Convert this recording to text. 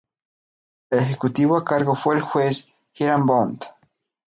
El ejecutivo a cargo fue el juez Hiram Bond.